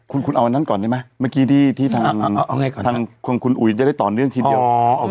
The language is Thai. คุณเอาอันนั้นก่อนได้ไหมเมื่อกี้ที่ทางคุณอุ๋ยจะได้ต่อเนื่องทีเดียว